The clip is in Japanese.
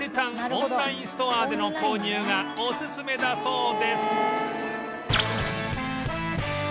オンラインストアでの購入がオススメだそうです